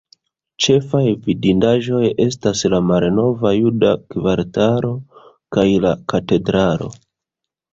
Ĉefaj vidindaĵoj estas la malnova juda kvartalo, kaj la Katedralo.